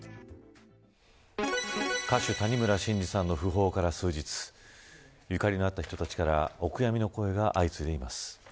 歌手谷村新司さんの訃報から数日ゆかりのあった人たちからお悔やみの声が相次いでいます。